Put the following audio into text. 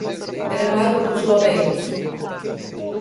Gramado dos Loureiros